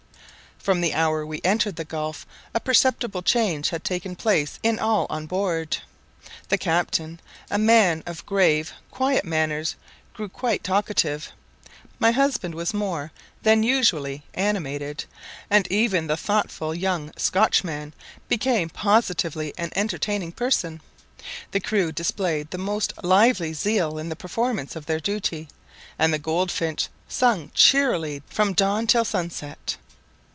From the hour we entered the gulf a perceptible change had taken place in all on board. The captain, a man of grave, quiet manners, grew quite talkative. My husband was more than usually animated, and even the thoughtful young Scotchman became positively an entertaining person. The crew displayed the most lively zeal in the performance of their duty, and the goldfinch sung cheerily from dawn till sunset.